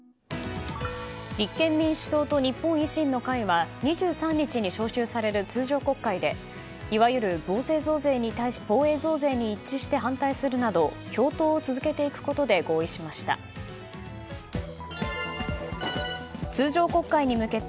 立憲民主党と日本維新の会は２３日に召集される通常国会でいわゆる防衛増税に一致して反対するなど共闘を続けていくことで合意しました。